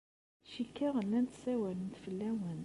Cikkeɣ llant ssawalent fell-awent.